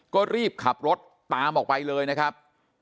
ก็รีบขับรถตามออกไปเลยนะครับ